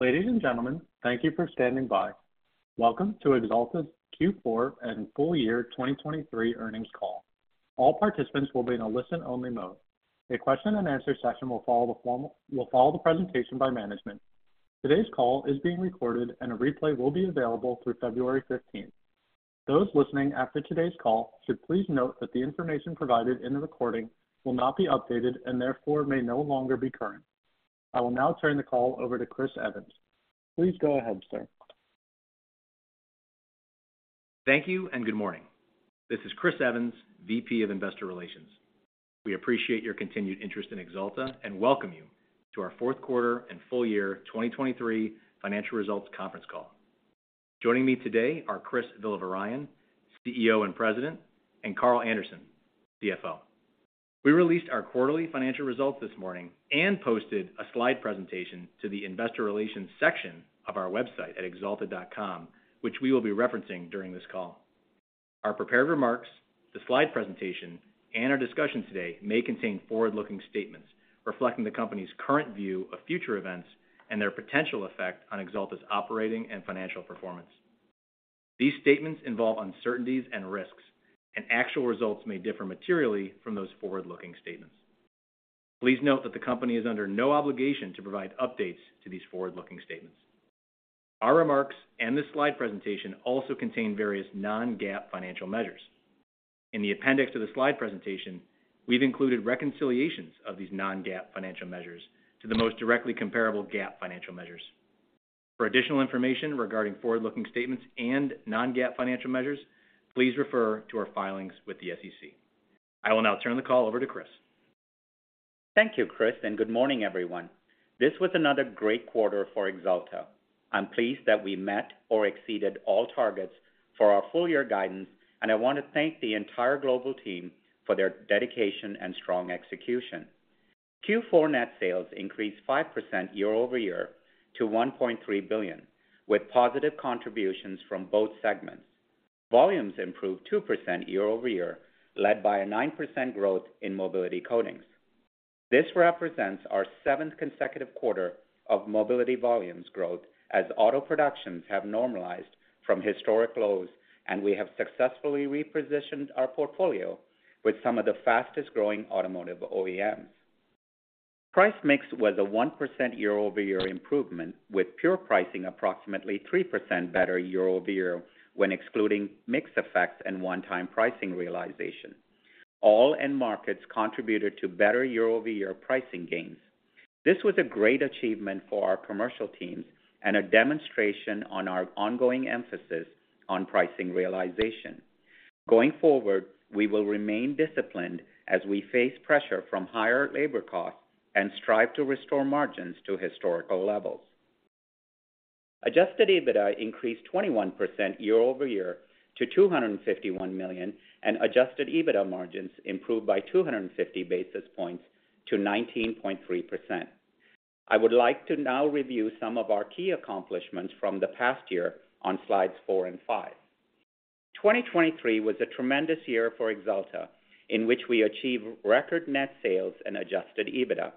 Ladies and gentlemen, thank you for standing by. Welcome to Axalta's Q4 and full year 2023 earnings call. All participants will be in a listen-only mode. A question and answer session will follow the presentation by management. Today's call is being recorded, and a replay will be available through February 15th, 2024. Those listening after today's call should please note that the information provided in the recording will not be updated and therefore may no longer be current. I will now turn the call over to Chris Evans. Please go ahead, sir. Thank you, and good morning. This is Chris Evans, VP of Investor Relations. We appreciate your continued interest in Axalta and welcome you to our fourth quarter and full year 2023 financial results conference call. Joining me today are Chris Villavarayan, CEO and President, and Carl Anderson, CFO. We released our quarterly financial results this morning and posted a slide presentation to the investor relations section of our website at axalta.com, which we will be referencing during this call. Our prepared remarks, the slide presentation, and our discussion today may contain forward-looking statements reflecting the company's current view of future events and their potential effect on Axalta's operating and financial performance. These statements involve uncertainties and risks, and actual results may differ materially from those forward-looking statements. Please note that the company is under no obligation to provide updates to these forward-looking statements. Our remarks and the slide presentation also contain various non-GAAP financial measures. In the appendix to the slide presentation, we've included reconciliations of these non-GAAP financial measures to the most directly comparable GAAP financial measures. For additional information regarding forward-looking statements and non-GAAP financial measures, please refer to our filings with the SEC. I will now turn the call over to Chris. Thank you, Chris, and good morning, everyone. This was another great quarter for Axalta. I'm pleased that we met or exceeded all targets for our full year guidance, and I want to thank the entire global team for their dedication and strong execution. Q4 net sales increased 5% year-over-year to $1.3 billion, with positive contributions from both segments. Volumes improved 2% year-over-year, led by a 9% growth in Mobility Coatings. This represents our seventh consecutive quarter of Mobility volumes growth as auto productions have normalized from historic lows, and we have successfully repositioned our portfolio with some of the fastest-growing automotive OEMs. Price/mix was a 1% year-over-year improvement, with pure pricing approximately 3% better year-over-year when excluding mix effects and one-time pricing realization. All end markets contributed to better year-over-year pricing gains. This was a great achievement for our commercial teams and a demonstration on our ongoing emphasis on pricing realization. Going forward, we will remain disciplined as we face pressure from higher labor costs and strive to restore margins to historical levels. Adjusted EBITDA increased 21% year-over-year to $251 million, and adjusted EBITDA margins improved by 250 basis points to 19.3%. I would like to now review some of our key accomplishments from the past year on slides four and five. 2023 was a tremendous year for Axalta, in which we achieved record net sales and adjusted EBITDA.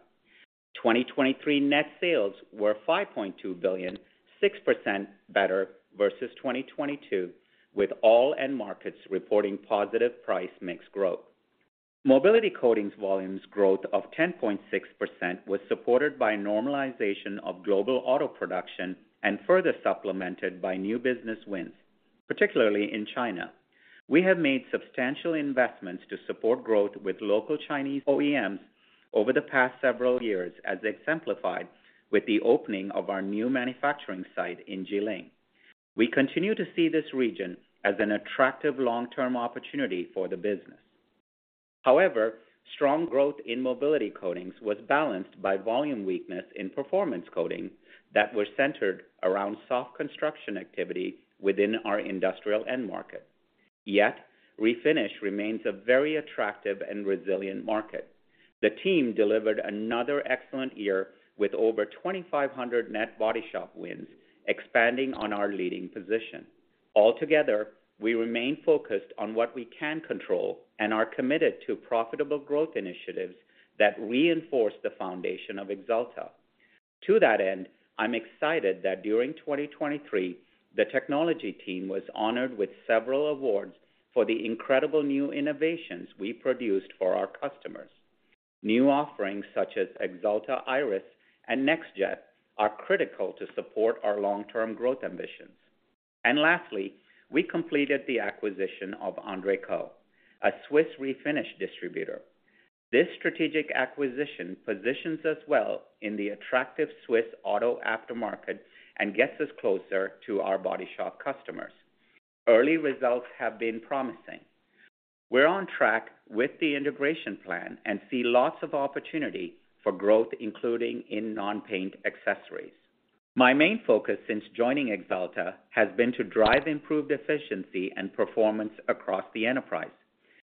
2023 net sales were $5.2 billion, 6% better versus 2022, with all end markets reporting positive price mix growth. Mobility Coatings volumes growth of 10.6% was supported by normalization of global auto production and further supplemented by new business wins, particularly in China. We have made substantial investments to support growth with local Chinese OEMs over the past several years, as exemplified with the opening of our new manufacturing site in Jilin. We continue to see this region as an attractive long-term opportunity for the business. However, strong growth in Mobility Coatings was balanced by volume weakness in Performance Coatings that was centered around soft construction activity within our Industrial end market. Yet, Refinish remains a very attractive and resilient market. The team delivered another excellent year with over 2,500 net body shop wins, expanding on our leading position. Altogether, we remain focused on what we can control and are committed to profitable growth initiatives that reinforce the foundation of Axalta. To that end, I'm excited that during 2023, the technology team was honored with several awards for the incredible new innovations we produced for our customers. New offerings such as Axalta Irus and NextJet are critical to support our long-term growth ambitions. Lastly, we completed the acquisition of André Koch, a Swiss refinish distributor. This strategic acquisition positions us well in the attractive Swiss auto aftermarket and gets us closer to our body shop customers. Early results have been promising. We're on track with the integration plan and see lots of opportunity for growth, including in non-paint accessories. My main focus since joining Axalta has been to drive improved efficiency and performance across the enterprise.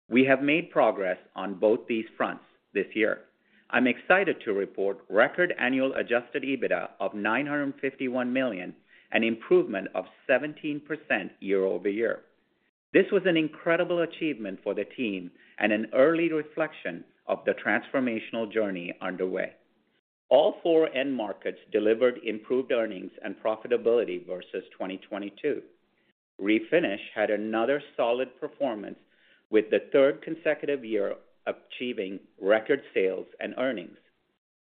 We have made progress on both these fronts this year. I'm excited to report record annual adjusted EBITDA of $951 million, an improvement of 17% year-over-year. This was an incredible achievement for the team and an early reflection of the transformational journey underway. All four end markets delivered improved earnings and profitability versus 2022. Refinish had another solid performance, with the third consecutive year achieving record sales and earnings.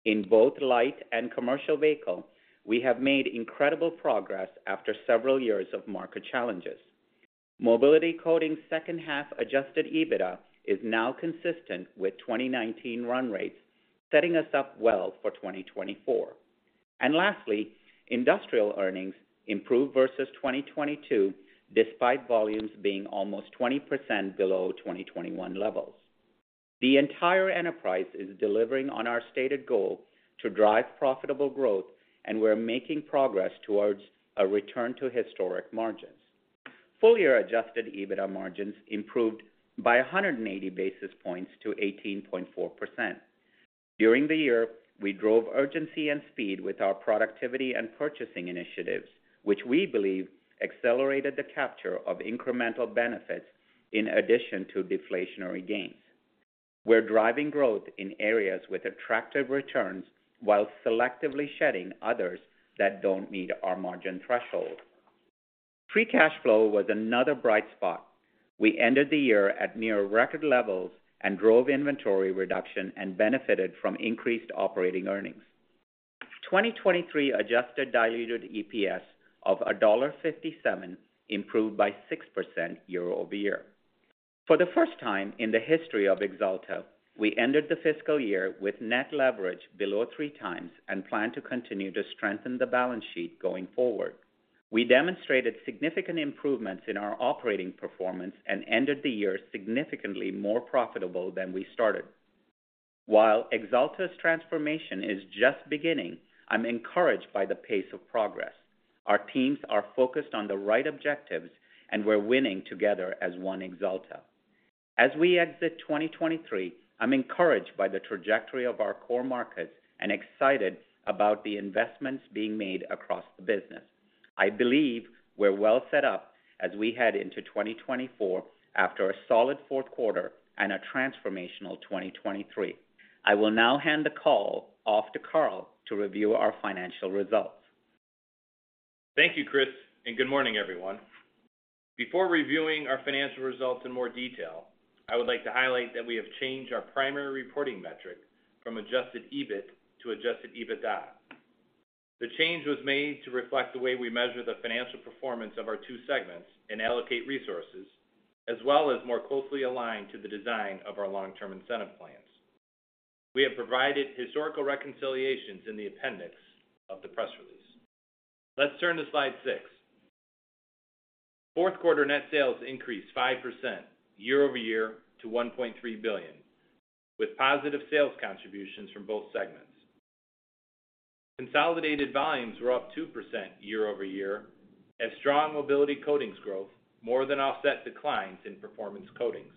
In both light and commercial vehicle, we have made incredible progress after several years of market challenges. Mobility Coatings second half adjusted EBITDA is now consistent with 2019 run rates, setting us up well for 2024. And lastly, Industrial earnings improved versus 2022, despite volumes being almost 20% below 2021 levels. The entire enterprise is delivering on our stated goal to drive profitable growth, and we're making progress towards a return to historic margins. Full year adjusted EBITDA margins improved by 180 basis points to 18.4%. During the year, we drove urgency and speed with our productivity and purchasing initiatives, which we believe accelerated the capture of incremental benefits in addition to deflationary gains. We're driving growth in areas with attractive returns, while selectively shedding others that don't meet our margin threshold. Free cash flow was another bright spot. We ended the year at near record levels and drove inventory reduction and benefited from increased operating earnings. 2023 adjusted diluted EPS of $1.57 improved by 6% year-over-year. For the first time in the history of Axalta, we ended the fiscal year with net leverage below 3x and plan to continue to strengthen the balance sheet going forward. We demonstrated significant improvements in our operating performance and ended the year significantly more profitable than we started. While Axalta's transformation is just beginning, I'm encouraged by the pace of progress. Our teams are focused on the right objectives, and we're winning together as one Axalta. As we exit 2023, I'm encouraged by the trajectory of our core markets and excited about the investments being made across the business. I believe we're well set up as we head into 2024 after a solid fourth quarter and a transformational 2023. I will now hand the call off to Carl to review our financial results. Thank you, Chris, and good morning, everyone. Before reviewing our financial results in more detail, I would like to highlight that we have changed our primary reporting metric from adjusted EBIT to adjusted EBITDA. The change was made to reflect the way we measure the financial performance of our two segments and allocate resources, as well as more closely align to the design of our long-term incentive plans. We have provided historical reconciliations in the appendix of the press release. Let's turn to slide six. Fourth quarter net sales increased 5% year-over-year to $1.3 billion, with positive sales contributions from both segments. Consolidated volumes were up 2% year-over-year, as strong Mobility Coatings growth more than offset declines in Performance Coatings.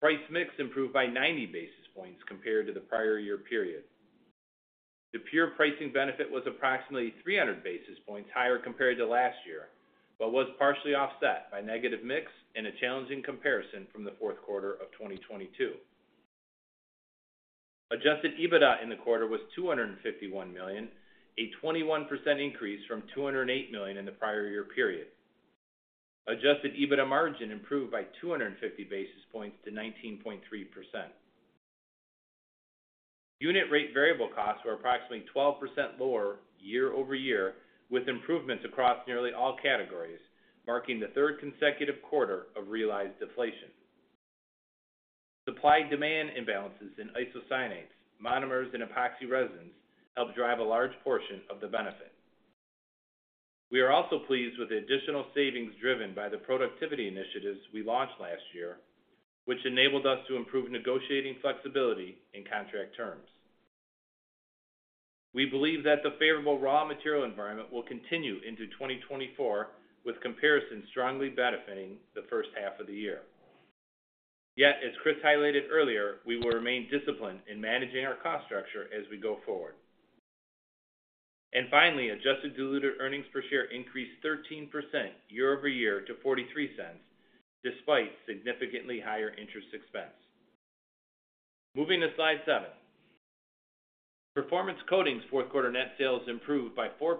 Price/mix improved by 90 basis points compared to the prior year period. The pure pricing benefit was approximately 300 basis points higher compared to last year, but was partially offset by negative mix and a challenging comparison from the fourth quarter of 2022. Adjusted EBITDA in the quarter was $251 million, a 21% increase from $208 million in the prior year period. Adjusted EBITDA margin improved by 250 basis points to 19.3%. Unit rate variable costs were approximately 12% lower year-over-year, with improvements across nearly all categories, marking the third consecutive quarter of realized deflation. Supply-demand imbalances in isocyanates, monomers, and epoxy resins helped drive a large portion of the benefit. We are also pleased with the additional savings driven by the productivity initiatives we launched last year, which enabled us to improve negotiating flexibility in contract terms. We believe that the favorable raw material environment will continue into 2024, with comparisons strongly benefiting the first half of the year. Yet, as Chris highlighted earlier, we will remain disciplined in managing our cost structure as we go forward. And finally, adjusted diluted earnings per share increased 13% year-over-year to $0.43, despite significantly higher interest expense. Moving to slide seven. Performance Coatings' fourth quarter net sales improved by 4%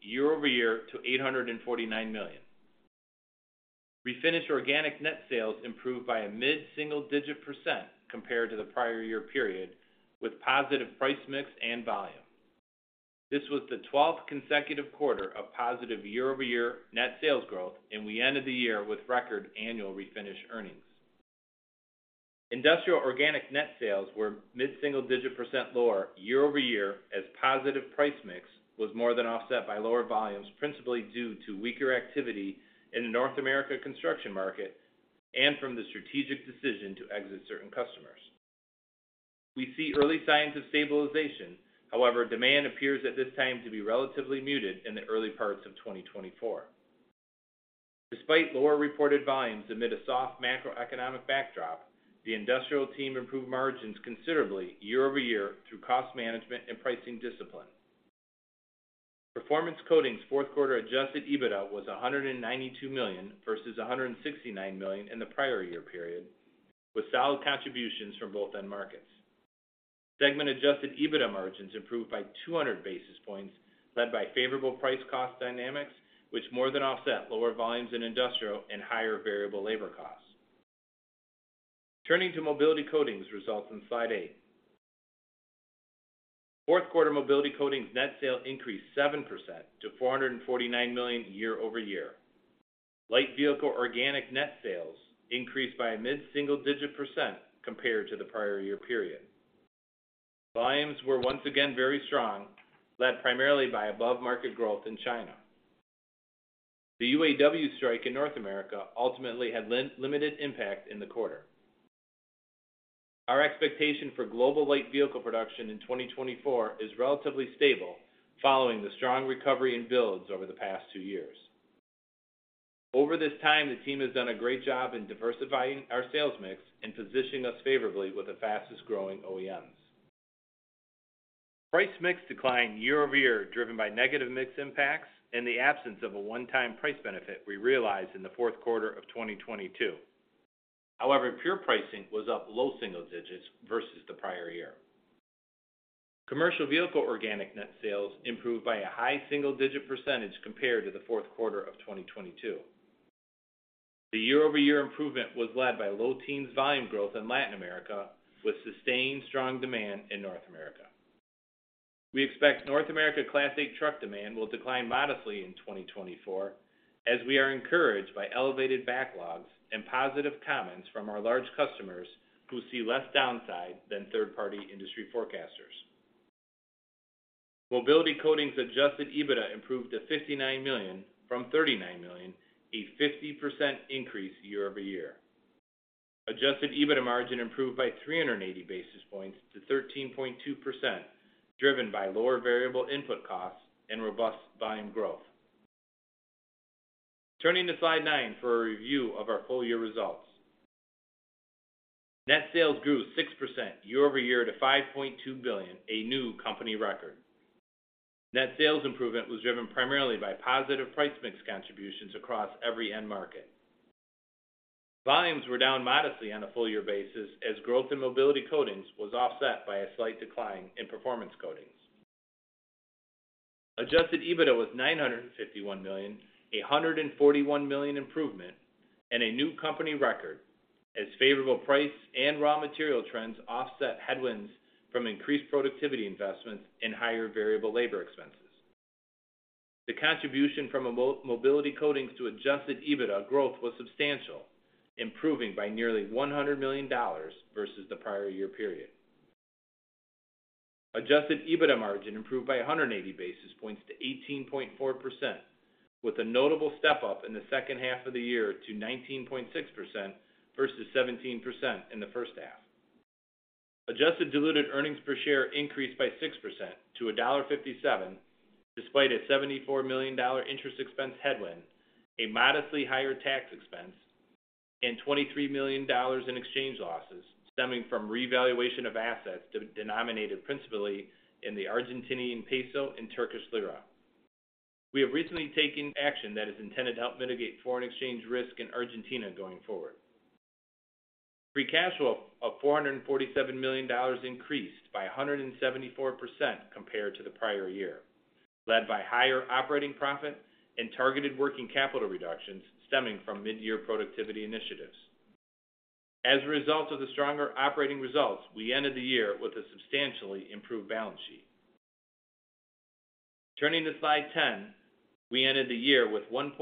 year-over-year to $849 million. Refinish organic net sales improved by a mid-single-digit % compared to the prior year period, with positive price/mix and volume. This was the 12th consecutive quarter of positive year-over-year net sales growth, and we ended the year with record annual Refinish earnings. Industrial organic net sales were mid single-digit lower year-over-year, as positive price/mix was more than offset by lower volumes, principally due to weaker activity in the North America construction market and from the strategic decision to exit certain customers. We see early signs of stabilization. However, demand appears at this time to be relatively muted in the early parts of 2024. Despite lower reported volumes amid a soft macroeconomic backdrop, the Industrial team improved margins considerably year-over-year through cost management and pricing discipline. Performance Coatings' fourth quarter adjusted EBITDA was $192 million, versus $169 million in the prior year period, with solid contributions from both end markets. Segment adjusted EBITDA margins improved by 200 basis points, led by favorable price cost dynamics, which more than offset lower volumes in Industrial and higher variable labor costs. Turning to Mobility Coatings results on Slide eight. Fourth quarter Mobility Coatings net sales increased 7% to $449 million year-over-year. Light vehicle organic net sales increased by a mid-single-digit % compared to the prior year period. Volumes were once again very strong, led primarily by above-market growth in China. The UAW strike in North America ultimately had limited impact in the quarter. Our expectation for global light vehicle production in 2024 is relatively stable, following the strong recovery in builds over the past two years. Over this time, the team has done a great job in diversifying our sales mix and positioning us favorably with the fastest-growing OEMs. Price/mix declined year-over-year, driven by negative mix impacts and the absence of a one-time price benefit we realized in the fourth quarter of 2022. However, pure pricing was up low single digits versus the prior year. Commercial vehicle organic net sales improved by a high single-digit percentage compared to the fourth quarter of 2022. The year-over-year improvement was led by low teens volume growth in Latin America, with sustained strong demand in North America. We expect North America Class 8 truck demand will decline modestly in 2024, as we are encouraged by elevated backlogs and positive comments from our large customers, who see less downside than third-party industry forecasters. Mobility Coatings adjusted EBITDA improved to $59 million from $39 million, a 50% increase year-over-year. Adjusted EBITDA margin improved by 380 basis points to 13.2%, driven by lower variable input costs and robust volume growth. Turning to Slide nine for a review of our full year results. Net sales grew 6% year-over-year to $5.2 billion, a new company record. Net sales improvement was driven primarily by positive price/mix contributions across every end market. Volumes were down modestly on a full year basis, as growth in Mobility Coatings was offset by a slight decline in Performance Coatings. Adjusted EBITDA was $951 million, a $141 million improvement, and a new company record, as favorable price and raw material trends offset headwinds from increased productivity investments and higher variable labor expenses. The contribution from Mobility Coatings to adjusted EBITDA growth was substantial, improving by nearly $100 million versus the prior year period. Adjusted EBITDA margin improved by 180 basis points to 18.4%, with a notable step-up in the second half of the year to 19.6% versus 17% in the first half. Adjusted diluted earnings per share increased by 6% to $1.57, despite a $74 million interest expense headwind, a modestly higher tax expense, and $23 million in exchange losses stemming from revaluation of assets denominated principally in the Argentine peso and Turkish lira. We have recently taken action that is intended to help mitigate foreign exchange risk in Argentina going forward. Free cash flow of $447 million increased by 174% compared to the prior year, led by higher operating profit and targeted working capital reductions stemming from mid-year productivity initiatives. As a result of the stronger operating results, we ended the year with a substantially improved balance sheet. Turning to Slide 10, we ended the year with $1.2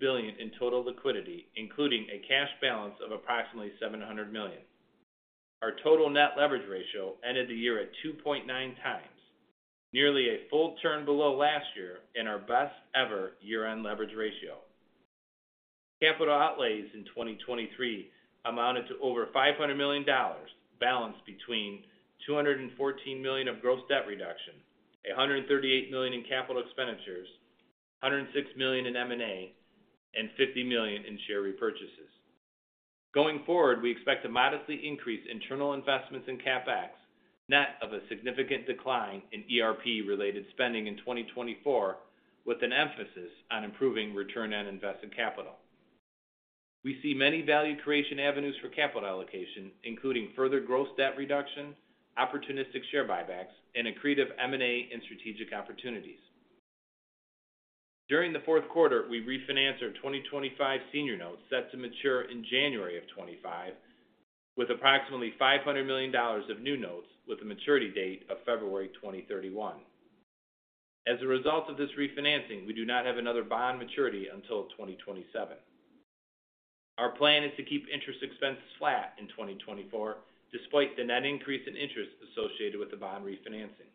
billion in total liquidity, including a cash balance of approximately $700 million. Our total net leverage ratio ended the year at 2.9x, nearly a full turn below last year and our best ever year-end leverage ratio. Capital outlays in 2023 amounted to over $500 million, balanced between $214 million of gross debt reduction, $138 million in capital expenditures, $106 million in M&A, and $50 million in share repurchases. Going forward, we expect to modestly increase internal investments in CapEx, net of a significant decline in ERP-related spending in 2024, with an emphasis on improving return on invested capital. We see many value creation avenues for capital allocation, including further gross debt reduction, opportunistic share buybacks, and accretive M&A and strategic opportunities. During the fourth quarter, we refinanced our 2025 senior notes set to mature in January 2025, with approximately $500 million of new notes, with a maturity date of February 2031. As a result of this refinancing, we do not have another bond maturity until 2027. Our plan is to keep interest expenses flat in 2024, despite the net increase in interest associated with the bond refinancing.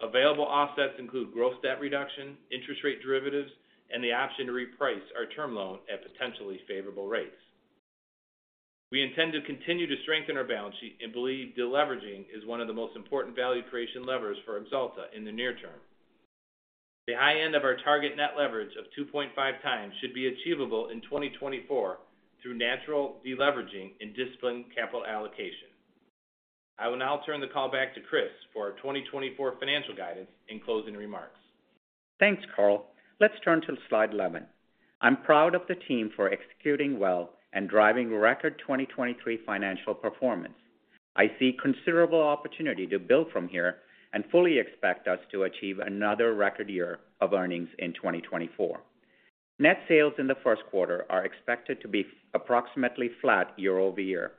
Available offsets include gross debt reduction, interest rate derivatives, and the option to reprice our term loan at potentially favorable rates. We intend to continue to strengthen our balance sheet and believe deleveraging is one of the most important value creation levers for Axalta in the near term. The high end of our target net leverage of 2.5x should be achievable in 2024 through natural deleveraging and disciplined capital allocation. I will now turn the call back to Chris for our 2024 financial guidance and closing remarks. Thanks, Carl. Let's turn to slide 11. I'm proud of the team for executing well and driving record 2023 financial performance. I see considerable opportunity to build from here and fully expect us to achieve another record year of earnings in 2024. Net sales in the first quarter are expected to be approximately flat year-over-year.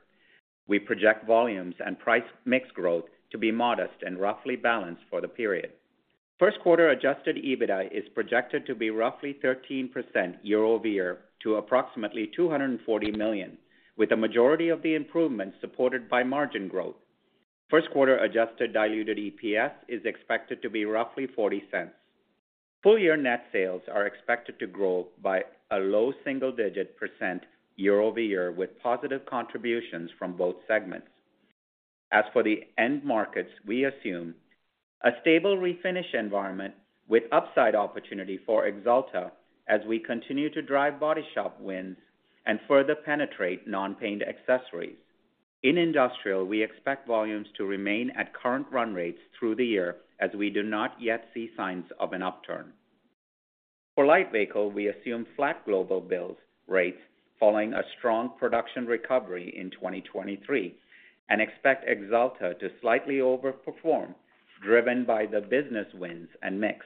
We project volumes and price/mix growth to be modest and roughly balanced for the period. First quarter adjusted EBITDA is projected to be roughly 13% year-over-year to approximately $240 million, with the majority of the improvements supported by margin growth. First quarter adjusted diluted EPS is expected to be roughly $0.40. Full year net sales are expected to grow by a low single-digit % year-over-year, with positive contributions from both segments. As for the end markets, we assume a stable refinish environment with upside opportunity for Axalta as we continue to drive body shop wins and further penetrate non-paint accessories. In Industrial, we expect volumes to remain at current run rates through the year, as we do not yet see signs of an upturn. For light vehicle, we assume flat global builds rates following a strong production recovery in 2023, and expect Axalta to slightly overperform, driven by the business wins and mix.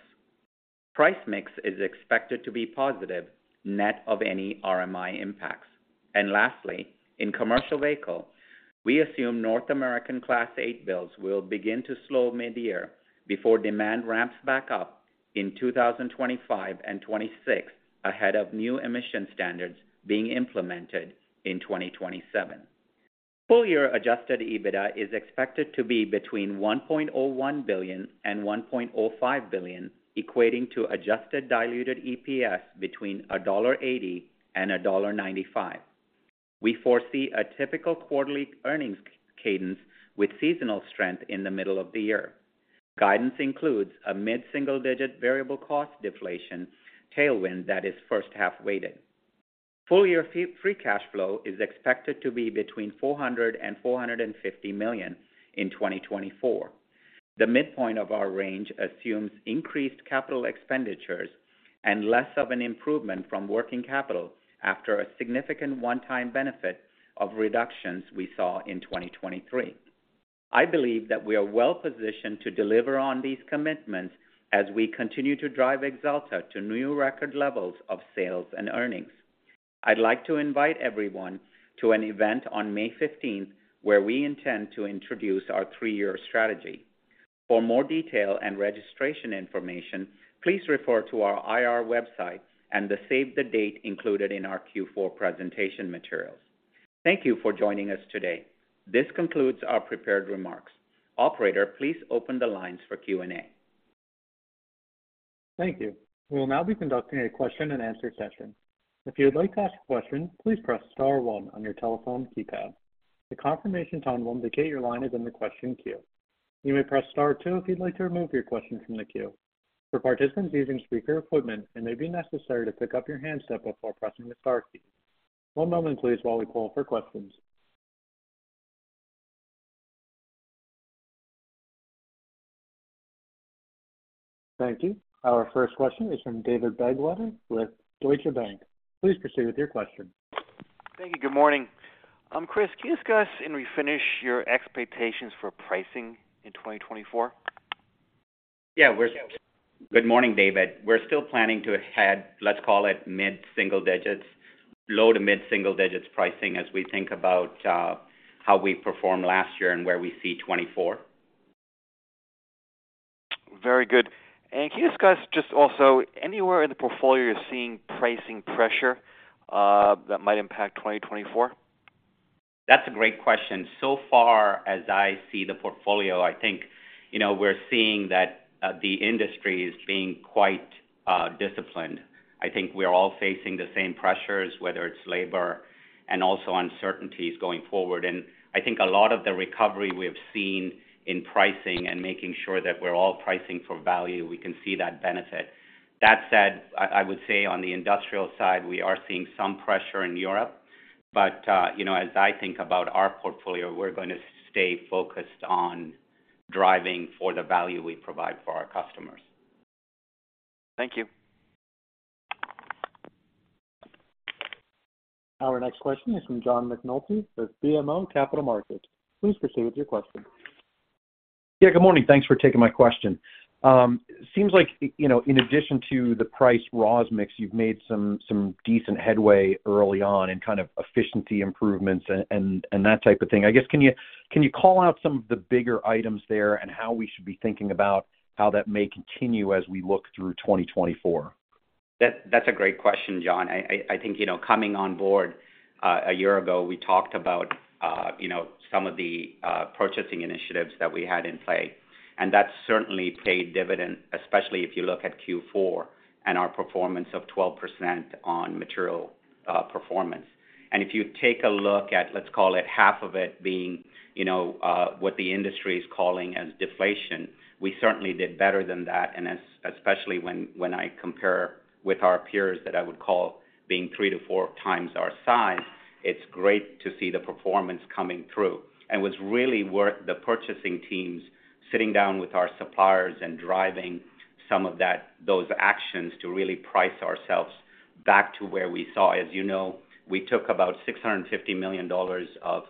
Price/mix is expected to be positive, net of any RMI impacts. Lastly, in commercial vehicle, we assume North American Class 8 builds will begin to slow mid-year before demand ramps back up in 2025 and 2026, ahead of new emission standards being implemented in 2027. Full year adjusted EBITDA is expected to be between $1.01 billion and $1.05 billion, equating to adjusted diluted EPS between $1.80 and $1.95. We foresee a typical quarterly earnings cadence with seasonal strength in the middle of the year. Guidance includes a mid single-digit variable cost deflation tailwind that is first half weighted. Full year free cash flow is expected to be between $400 million and $450 million in 2024. The midpoint of our range assumes increased capital expenditures and less of an improvement from working capital after a significant one-time benefit of reductions we saw in 2023. I believe that we are well positioned to deliver on these commitments as we continue to drive Axalta to new record levels of sales and earnings. I'd like to invite everyone to an event on May 15th, 2024, where we intend to introduce our three-year strategy. For more detail and registration information, please refer to our IR website and the save-the-date included in our Q4 presentation materials. Thank you for joining us today. This concludes our prepared remarks. Operator, please open the lines for Q&A. Thank you. We will now be conducting a question-and-answer session. If you would like to ask a question, please press star one on your telephone keypad. The confirmation tone will indicate your line is in the question queue. You may press star two if you'd like to remove your question from the queue. For participants using speaker equipment, it may be necessary to pick up your handset before pressing the star key. One moment please while we call for questions. Thank you. Our first question is from David Begleiter with Deutsche Bank. Please proceed with your question. Thank you. Good morning. Chris, can you discuss your Refinish expectations for pricing in 2024? Good morning, David. We're still planning to have, let's call it mid-single digits, low to mid-single digits pricing as we think about how we performed last year and where we see 2024. Very good. Can you discuss just also anywhere in the portfolio you're seeing pricing pressure that might impact 2024? That's a great question. So far, as I see the portfolio, I think, you know, we're seeing that the industry is being quite disciplined. I think we are all facing the same pressures, whether it's labor and also uncertainties going forward. And I think a lot of the recovery we have seen in pricing and making sure that we're all pricing for value, we can see that benefit. That said, I would say on the Industrial side, we are seeing some pressure in Europe, but you know, as I think about our portfolio, we're going to stay focused on driving for the value we provide for our customers. Thank you. Our next question is from John McNulty with BMO Capital Markets. Please proceed with your question. Yeah, good morning. Thanks for taking my question. Seems like, you know, in addition to the price/raws mix, you've made some decent headway early on in kind of efficiency improvements and that type of thing. I guess, can you call out some of the bigger items there and how we should be thinking about how that may continue as we look through 2024? That, that's a great question, John. I think, you know, coming on board a year ago, we talked about, you know, some of the purchasing initiatives that we had in play, and that's certainly paid dividends, especially if you look at Q4 and our performance of 12% on material performance. And if you take a look at, let's call it, half of it being, you know, what the industry is calling as deflation, we certainly did better than that, and especially when I compare with our peers, that I would call being 3-4x our size. It's great to see the performance coming through, and was really worth the purchasing teams sitting down with our suppliers and driving some of that, those actions, to really price ourselves back to where we saw. As you know, we took about $650 million of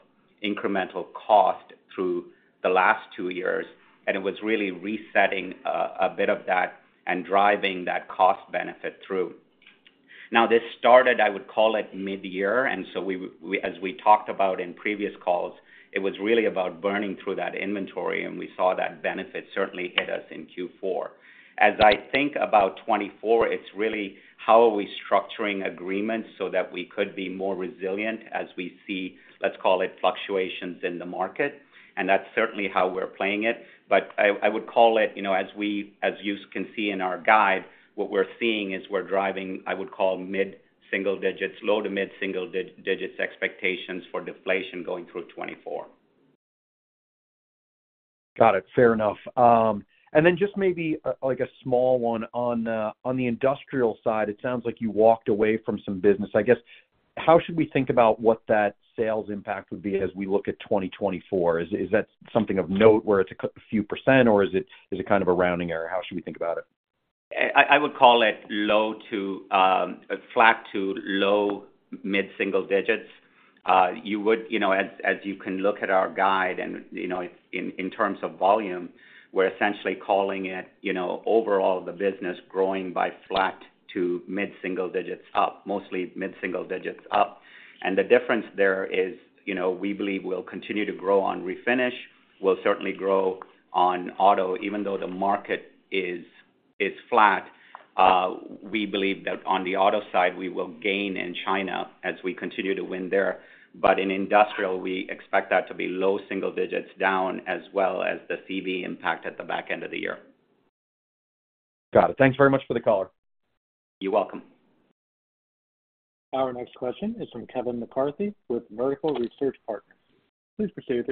incremental cost through the last two years, and it was really resetting a bit of that and driving that cost benefit through. Now, this started, I would call it, mid-year, and so as we talked about in previous calls, it was really about burning through that inventory, and we saw that benefit certainly hit us in Q4. As I think about 2024, it's really how are we structuring agreements so that we could be more resilient as we see, let's call it, fluctuations in the market, and that's certainly how we're playing it. But I would call it, you know, as you can see in our guide, what we're seeing is we're driving, I would call, mid single digits, low to mid-single digits expectations for deflation going through 2024. Got it. Fair enough. And then just maybe, like a small one, on the Industrial side, it sounds like you walked away from some business. I guess, how should we think about what that sales impact would be as we look at 2024? Is that something of note where it's a few percent, or is it kind of a rounding error? How should we think about it? I would call it low to flat to low mid-single digits. You know, as you can look at our guide and, you know, in terms of volume, we're essentially calling it, you know, overall, the business growing by flat to mid-single digits up, mostly mid-single digits up. And the difference there is, you know, we believe we'll continue to grow on Refinish. We'll certainly grow on auto. Even though the market is flat, we believe that on the auto side, we will gain in China as we continue to win there. But in Industrial, we expect that to be low single digits down, as well as the CV impact at the back end of the year. Got it. Thanks very much for the color. You're welcome. Our next question is from Kevin McCarthy with Vertical Research Partners. Please proceed with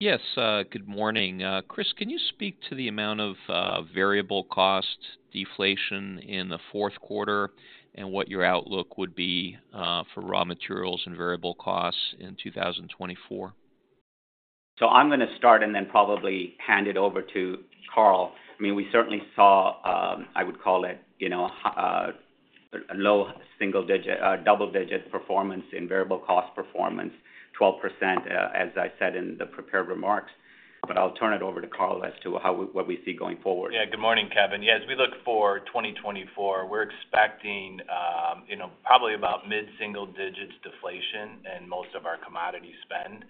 your question. Yes, good morning. Chris, can you speak to the amount of variable cost deflation in the fourth quarter, and what your outlook would be for raw materials and variable costs in 2024? So I'm gonna start and then probably hand it over to Carl. I mean, we certainly saw, I would call it, you know, low single digit... double-digit performance in variable cost performance, 12%, as I said in the prepared remarks, but I'll turn it over to Carl as to how we-- what we see going forward. Yeah, good morning, Kevin. Yeah, as we look for 2024, we're expecting, you know, probably about mid-single digits deflation in most of our commodity spend.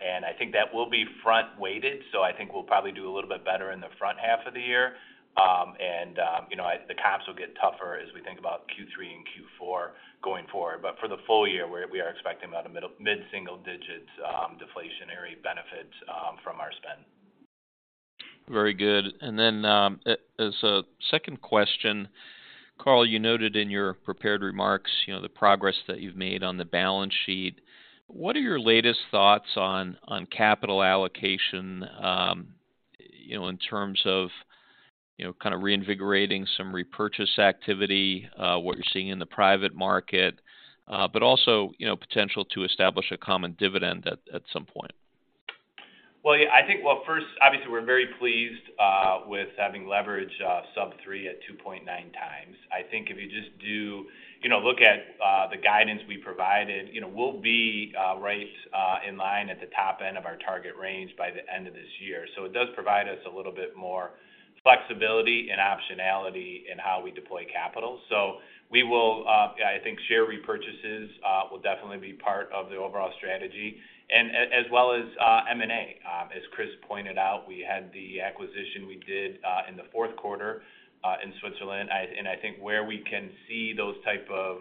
And I think that will be front-weighted, so I think we'll probably do a little bit better in the front half of the year. And, you know, the comps will get tougher as we think about Q3 and Q4 going forward. But for the full year, we're, we are expecting about mid-single digits deflationary benefit from our spend. Very good. And then, as a second question, Carl, you noted in your prepared remarks, you know, the progress that you've made on the balance sheet. What are your latest thoughts on, on capital allocation, you know, in terms of, you know, kind of reinvigorating some repurchase activity, what you're seeing in the private market, but also, you know, potential to establish a common dividend at, at some point? Well, yeah, I think... Well, first, obviously, we're very pleased with having leverage sub 3 at 2.9x. I think if you just do, you know, look at the guidance we provided, you know, we'll be right in line at the top end of our target range by the end of this year. So it does provide us a little bit more flexibility and optionality in how we deploy capital. So we will, I think, share repurchases will definitely be part of the overall strategy, and as well as M&A. As Chris pointed out, we had the acquisition we did in the fourth quarter in Switzerland. And I think where we can see those type of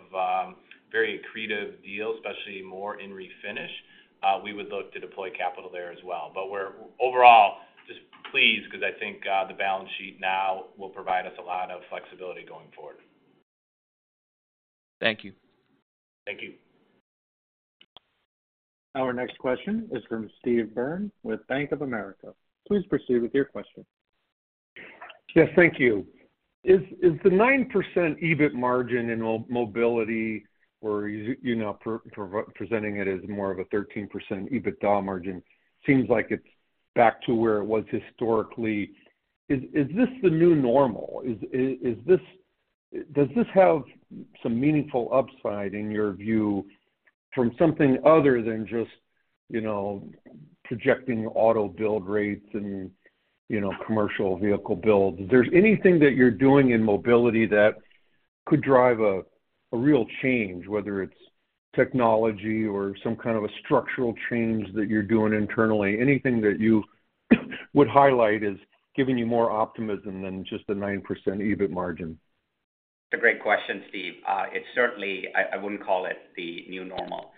very accretive deals, especially more in Refinish, we would look to deploy capital there as well. But we're overall just pleased because I think, the balance sheet now will provide us a lot of flexibility going forward. Thank you. Thank you. Our next question is from Steve Byrne with Bank of America. Please proceed with your question. Yes, thank you. Is the 9% EBIT margin in Mobility, or you know, presenting it as more of a 13% EBITDA margin, seems like it's back to where it was historically. Is this the new normal? Does this have some meaningful upside, in your view, from something other than just, you know, projecting auto build rates and, you know, commercial vehicle builds? If there's anything that you're doing in Mobility that could drive a real change, whether it's technology or some kind of a structural change that you're doing internally, anything that you would highlight as giving you more optimism than just a 9% EBIT margin? It's a great question, Steve. It's certainly. I wouldn't call it the new normal.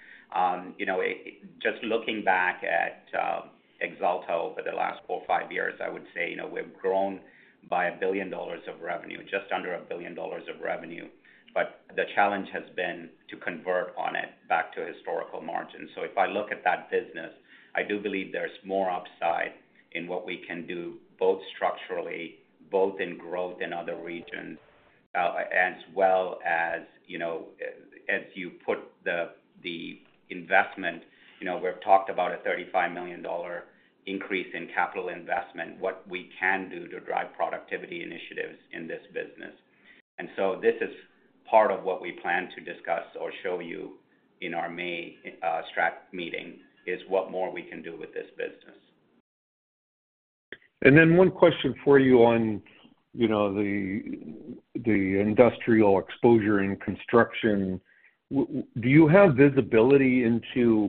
You know, it just looking back at Axalta over the last four, five years, I would say, you know, we've grown by $1 billion of revenue, just under $1 billion of revenue. But the challenge has been to convert to historical margins. So if I look at that business, I do believe there's more upside in what we can do, both structurally, both in growth in other regions, as well as, you know, as you put the investment. You know, we've talked about a $35 million increase in capital investment, what we can do to drive productivity initiatives in this business. And so this is part of what we plan to discuss or show you in our May strat meeting, is what more we can do with this business. And then one question for you on, you know, the industrial exposure in construction. Do you have visibility into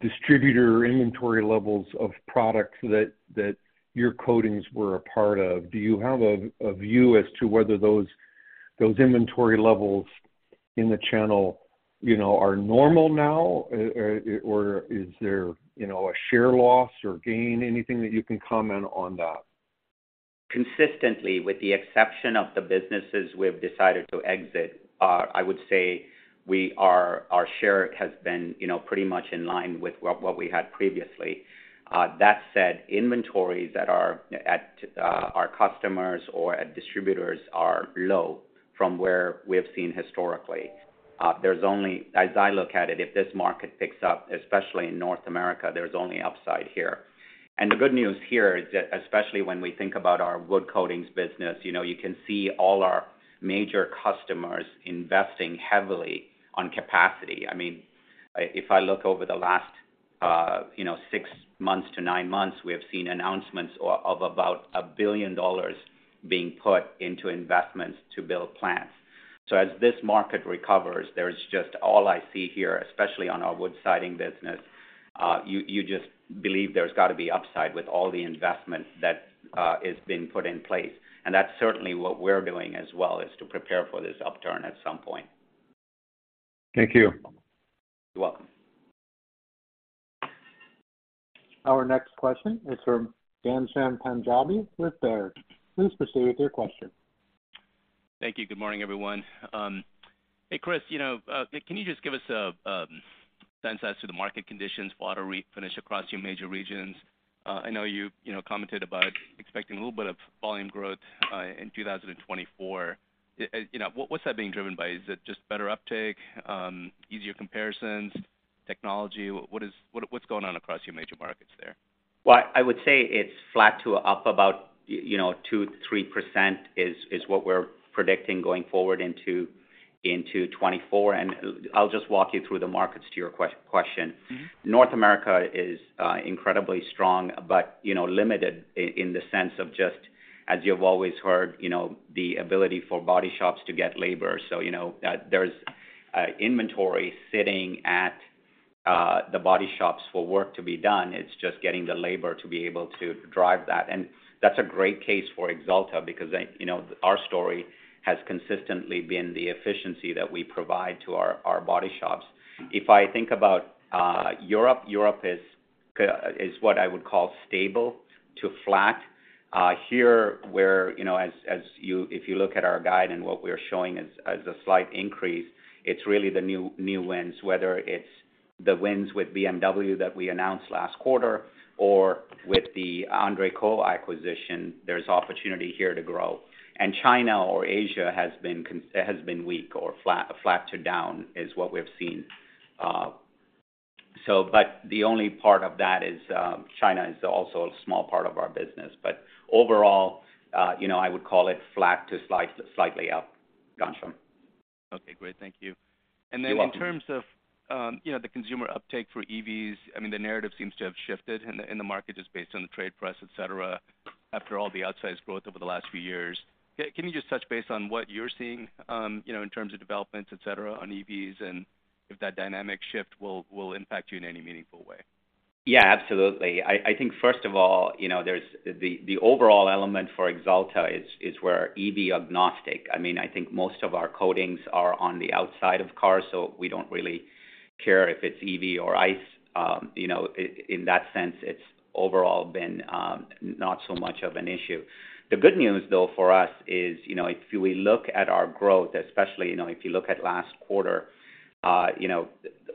distributor inventory levels of products that your coatings were a part of? Do you have a view as to whether those inventory levels in the channel, you know, are normal now, or is there, you know, a share loss or gain? Anything that you can comment on that? Consistently, with the exception of the businesses we've decided to exit, I would say we are, our share has been, you know, pretty much in line with what, what we had previously. That said, inventories that are at our customers or at distributors are low from where we have seen historically. There's only... As I look at it, if this market picks up, especially in North America, there's only upside here. And the good news here is that, especially when we think about our wood coatings business, you know, you can see all our major customers investing heavily on capacity. I mean, if I look over the last, you know, six months to nine months, we have seen announcements of about $1 billion being put into investments to build plants. So as this market recovers, there's just all I see here, especially on our wood siding business, you just believe there's got to be upside with all the investment that is being put in place. And that's certainly what we're doing as well, is to prepare for this upturn at some point. Thank you. You're welcome. Our next question is from Ghansham Panjabi with Baird. Please proceed with your question. Thank you. Good morning, everyone. Hey, Chris, you know, can you just give us a sense as to the market conditions for auto refinish across your major regions? I know you, you know, commented about expecting a little bit of volume growth in 2024. You know, what's that being driven by? Is it just better uptake, easier comparisons, technology? What, what's going on across your major markets there? Well, I would say it's flat to up about, you know, 2%-3% is, is what we're predicting going forward into, into 2024. I'll just walk you through the markets to your question. Mm-hmm. North America is incredibly strong, but you know, limited in the sense of just, as you've always heard, you know, the ability for body shops to get labor. So, you know, there's inventory sitting at the body shops for work to be done. It's just getting the labor to be able to drive that. And that's a great case for Axalta, because you know, our story has consistently been the efficiency that we provide to our body shops. If I think about Europe, Europe is what I would call stable to flat. You know, as you if you look at our guide and what we are showing as a slight increase, it's really the new wins, whether it's the wins with BMW that we announced last quarter or with the André Koch acquisition, there's opportunity here to grow. And China or Asia has been weak or flat to down, is what we've seen. So but the only part of that is, China is also a small part of our business. But overall, you know, I would call it flat to slightly up, Ghansham. Okay, great. Thank you. You're welcome. And then in terms of, you know, the consumer uptake for EVs, I mean, the narrative seems to have shifted in the market just based on the trade press, et cetera, after all the outsized growth over the last few years. Can you just touch base on what you're seeing, you know, in terms of developments, et cetera, on EVs, and if that dynamic shift will impact you in any meaningful way? Yeah, absolutely. I think first of all, you know, there's the overall element for Axalta is we're EV-agnostic. I mean, I think most of our coatings are on the outside of cars, so we don't really care if it's EV or ICE. You know, in that sense, it's overall been not so much of an issue. The good news, though, for us is, you know, if we look at our growth, especially, you know, if you look at last quarter, you know,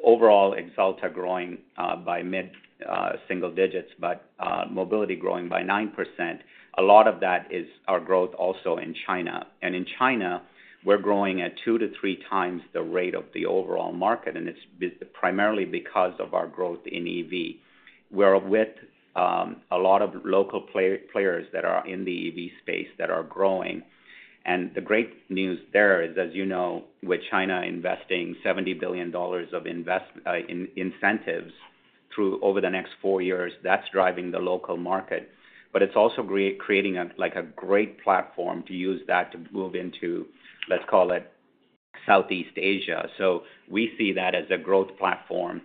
overall, Axalta growing by mid single digits, but Mobility growing by 9%, a lot of that is our growth also in China. And in China, we're growing at two to three times the rate of the overall market, and it's primarily because of our growth in EV. We're with a lot of local players that are in the EV space that are growing. And the great news there is, as you know, with China investing $70 billion in incentives over the next four years, that's driving the local market. But it's also creating a, like a great platform to use that to move into, let's call it, Southeast Asia. So we see that as a growth platform.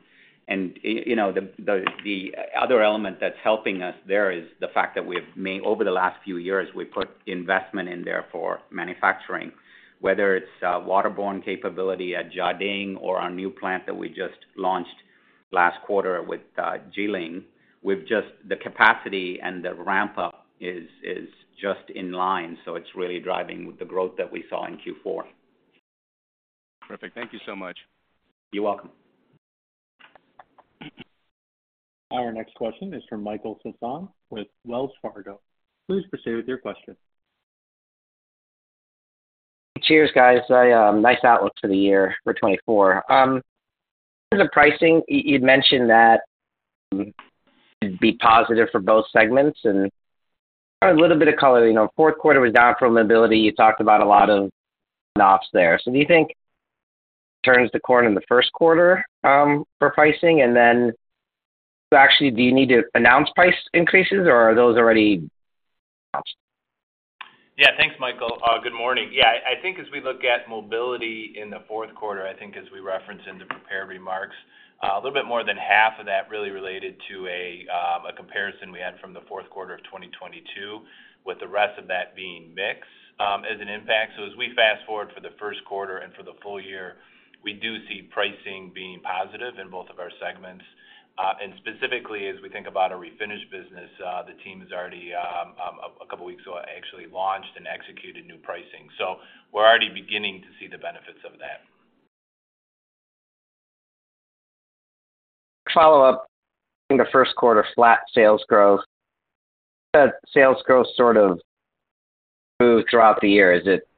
And, you know, the other element that's helping us there is the fact that we've made, over the last few years, we put investment in there for manufacturing, whether it's waterborne capability at Jiading or our new plant that we just launched...last quarter with Jilin, with just the capacity and the ramp-up is just in line, so it's really driving the growth that we saw in Q4. Perfect. Thank you so much. You're welcome. Our next question is from Michael Sison with Wells Fargo. Please proceed with your question. Cheers, guys. I nice outlook for the year for 2024. In the pricing, you'd mentioned that it'd be positive for both segments, and a little bit of color, you know, fourth quarter was down from Mobility. You talked about a lot of ops there. So do you think turns the corner in the first quarter for pricing? And then actually, do you need to announce price increases, or are those already? Yeah, thanks, Michael. Good morning. Yeah, I think as we look at Mobility in the fourth quarter, I think as we referenced in the prepared remarks, a little bit more than half of that really related to a comparison we had from the fourth quarter of 2022, with the rest of that being mix as an impact. So as we fast forward for the first quarter and for the full year, we do see pricing being positive in both of our segments. And specifically, as we think about our Refinish business, the team has already a couple of weeks ago, actually launched and executed new pricing. So we're already beginning to see the benefits of that. Follow-up. In the first quarter, flat sales growth. That sales growth sort of moved throughout the year. Is it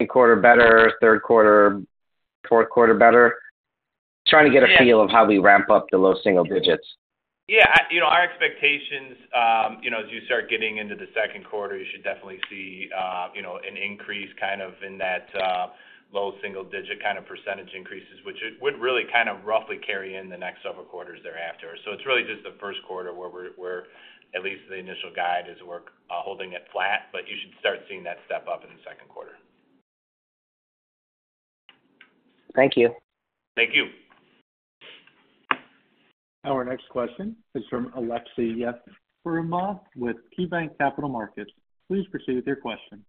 second quarter better, third quarter, fourth quarter better? Trying to get a feel of how we ramp up the low single digits. Yeah, you know, our expectations, you know, as you start getting into the second quarter, you should definitely see, you know, an increase kind of in that, low single-digit kind of percentage increases, which it would really kind of roughly carry in the next several quarters thereafter. So it's really just the first quarter where at least the initial guide is, we're holding it flat, but you should start seeing that step up in the second quarter. Thank you. Thank you. Our next question is from Aleksey Yefremov with KeyBanc Capital Markets. Please proceed with your question.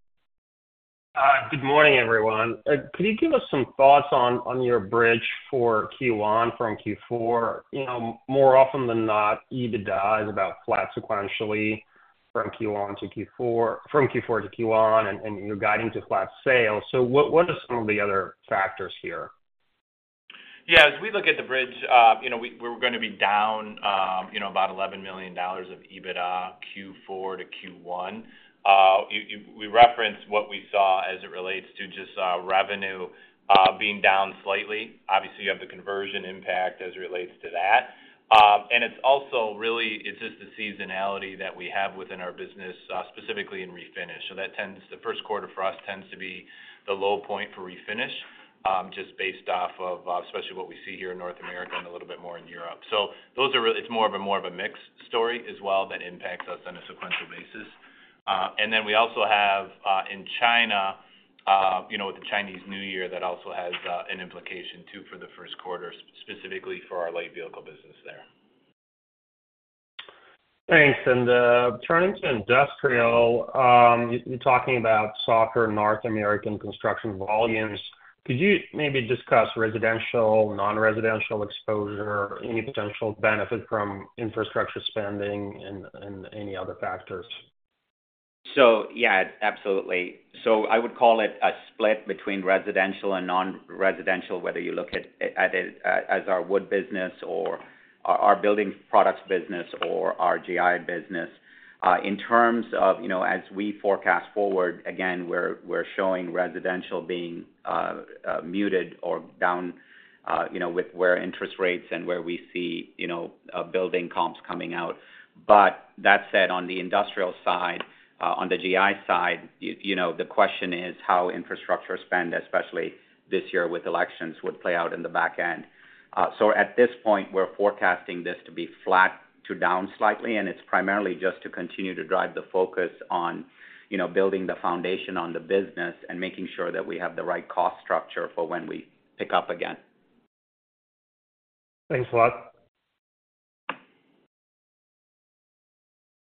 Good morning, everyone. Could you give us some thoughts on, on your bridge for Q1 from Q4? You know, more often than not, EBITDA is about flat sequentially from Q1 to Q4, from Q4 to Q1, and, and you're guiding to flat sales. So what, what are some of the other factors here? Yeah, as we look at the bridge, you know, we're gonna be down, you know, about $11 million of EBITDA, Q4 to Q1. You, we referenced what we saw as it relates to just, revenue, being down slightly. Obviously, you have the conversion impact as it relates to that. And it's also really, it's just the seasonality that we have within our business, specifically in Refinish. So that tends, the first quarter for us tends to be the low point for Refinish, just based off of, especially what we see here in North America and a little bit more in Europe. So those are really... It's more of a, more of a mix story as well that impacts us on a sequential basis. And then we also have in China, you know, with the Chinese New Year, that also has an implication, too, for the first quarter, specifically for our light vehicle business there. Thanks. Turning to Industrial, you're talking about softer North American construction volumes. Could you maybe discuss residential, non-residential exposure, any potential benefit from infrastructure spending and any other factors? So yeah, absolutely. So I would call it a split between residential and non-residential, whether you look at it as our wood business or our building products business or our GI business. In terms of, you know, as we forecast forward, again, we're showing residential being muted or down, you know, with where interest rates and where we see, you know, building comps coming out. But that said, on the Industrial side, on the GI side, you know, the question is how infrastructure spend, especially this year with elections, would play out in the back end. At this point, we're forecasting this to be flat to down slightly, and it's primarily just to continue to drive the focus on, you know, building the foundation on the business and making sure that we have the right cost structure for when we pick up again. Thanks a lot.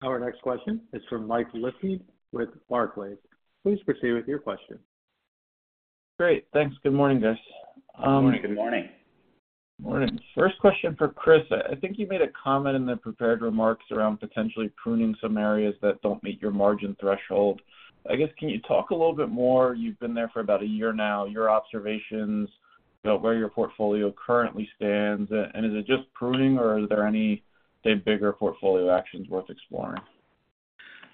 Our next question is from Mike Leithead with Barclays. Please proceed with your question. Great. Thanks. Good morning, guys. Good morning. Good morning. Morning. First question for Chris. I think you made a comment in the prepared remarks around potentially pruning some areas that don't meet your margin threshold. I guess, can you talk a little bit more? You've been there for about a year now, your observations about where your portfolio currently stands, and is it just pruning, or are there any, say, bigger portfolio actions worth exploring?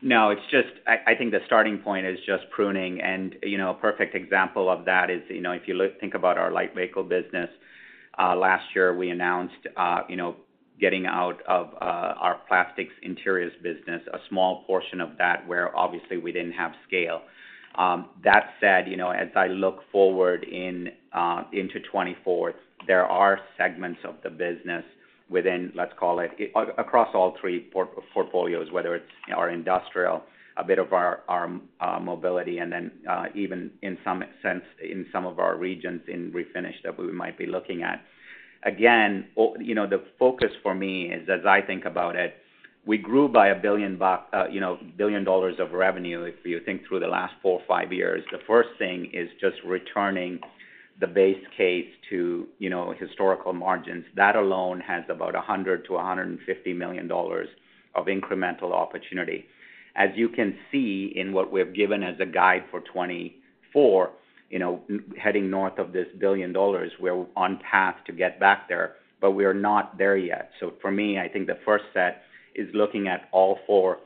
No, it's just... I, I think the starting point is just pruning, and, you know, a perfect example of that is, you know, if you look, think about our light vehicle business. Last year, we announced, you know, getting out of, our plastics interiors business, a small portion of that, where obviously we didn't have scale. That said, you know, as I look forward in, into 2024, there are segments of the business within, let's call it, across all three portfolios, whether it's our Industrial, a bit of our Mobility, and then, even in some sense, in some of our regions, in Refinish, that we might be looking at. Again, you know, the focus for me is, as I think about it,... We grew by a billion, you know, billion dollars of revenue, if you think through the last four or five years. The first thing is just returning the base case to, you know, historical margins. That alone has about $100 million-$150 million of incremental opportunity. As you can see in what we've given as a guide for 2024, you know, heading north of $1 billion, we're on path to get back there, but we are not there yet. So for me, I think the first set is looking at all four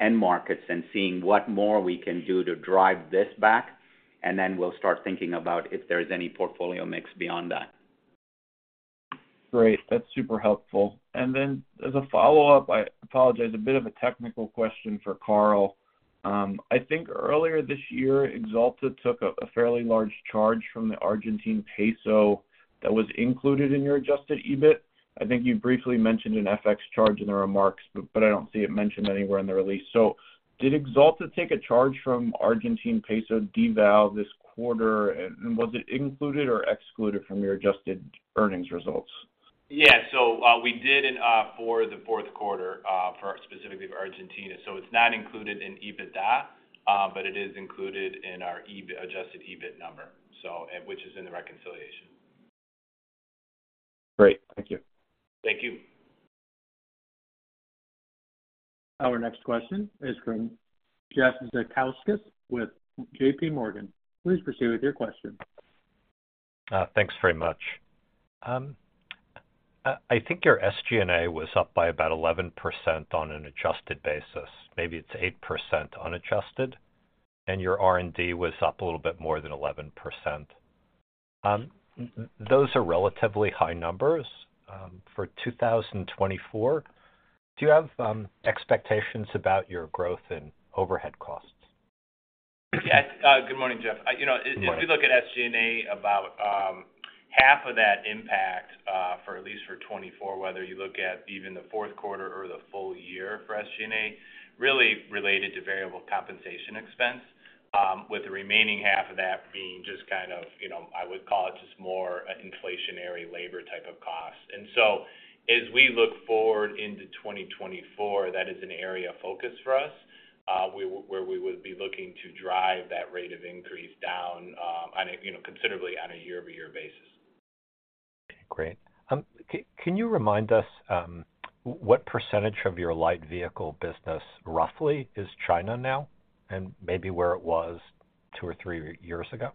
end markets and seeing what more we can do to drive this back, and then we'll start thinking about if there is any portfolio mix beyond that. Great, that's super helpful. And then as a follow-up, I apologize, a bit of a technical question for Carl. I think earlier this year, Axalta took a fairly large charge from the Argentine peso that was included in your adjusted EBIT. I think you briefly mentioned an FX charge in the remarks, but I don't see it mentioned anywhere in the release. So did Axalta take a charge from Argentine peso deval this quarter, and was it included or excluded from your adjusted earnings results? Yeah. So, we did in for the fourth quarter, specifically for Argentina. So it's not included in EBITDA, but it is included in our EBIT, adjusted EBIT number, so which is in the reconciliation. Great. Thank you. Thank you. Our next question is from Jeff Zekauskas with JPMorgan. Please proceed with your question. Thanks very much. I think your SG&A was up by about 11% on an adjusted basis. Maybe it's 8% unadjusted, and your R&D was up a little bit more than 11%. Those are relatively high numbers. For 2024, do you have expectations about your growth in overhead costs? Yeah, good morning, Jeff. You know- Good morning If you look at SG&A, about half of that impact, for at least for 2024, whether you look at even the fourth quarter or the full year for SG&A, really related to variable compensation expense, with the remaining half of that being just kind of, you know, I would call it just more an inflationary labor type of cost. And so as we look forward into 2024, that is an area of focus for us, where we would be looking to drive that rate of increase down, considerably on a year-over-year basis. Great. Can you remind us what percentage of your light vehicle business, roughly, is China now? And maybe where it was two or three years ago?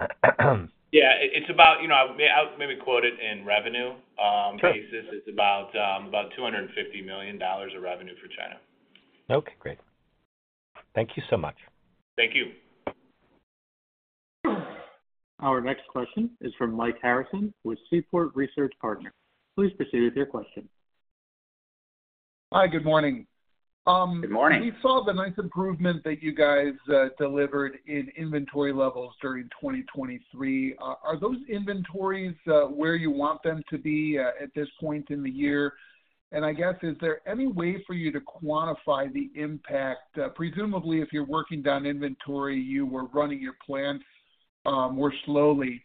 Yeah, it's about, you know, I'll maybe quote it in revenue basis. Sure. It's about, about $250 million of revenue for China. Okay, great. Thank you so much. Thank you. Our next question is from Mike Harrison with Seaport Research Partners. Please proceed with your question. Hi, good morning. Good morning. We saw the nice improvement that you guys delivered in inventory levels during 2023. Are those inventories where you want them to be at this point in the year? And I guess, is there any way for you to quantify the impact? Presumably, if you're working down inventory, you were running your plant more slowly.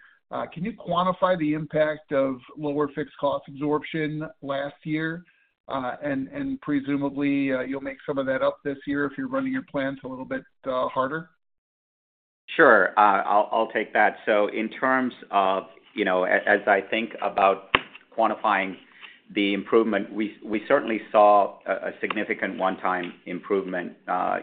Can you quantify the impact of lower fixed cost absorption last year? And, and presumably, you'll make some of that up this year if you're running your plants a little bit harder. Sure. I'll take that. So in terms of, you know, as I think about quantifying the improvement, we certainly saw a significant one-time improvement.